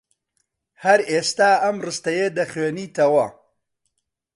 هەر ئێستا ئەم ڕستەیە دەخوێنیتەوە.